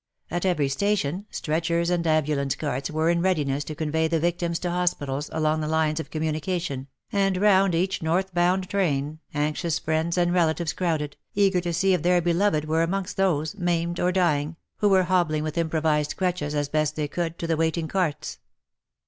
At every station, stretchers and ambulance carts were in readiness to convey the victims to hospitals along the lines of communication, and round each north bound train, anxious friends and relatives crowded, eager to see if their beloved were amongst those, maimed or dying, who were being carried on the stretchers or were hobbling with improvized crutches, as best they could, to the waiting carts.